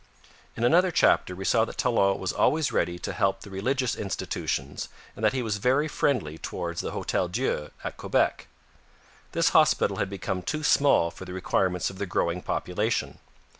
In another chapter we saw that Talon was always ready to help the religious institutions and that he was very friendly towards the Hotel Dieu at Quebec. This hospital had become too small for the requirements of the growing population.